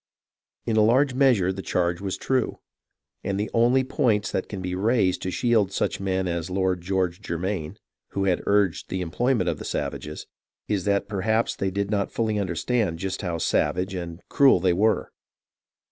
In a large measure the charge was true, and the only points that can be raised to shield such men as Lord George Germain, who had urged the employment of the savages, is that perhaps they did not fully understand just how savage and cruel they were.